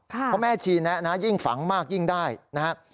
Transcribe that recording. เพราะแม่ชีนะยิ่งฝังมากยิ่งได้นะฮะ